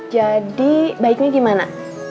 jadi baiknya gimana